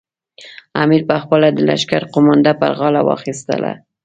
امیر پخپله د لښکر قومانده پر غاړه واخیستله.